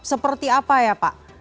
seperti apa ya pak